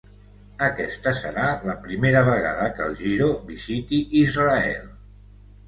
Aquesta serà la primera vegada que el Giro visiti Israel.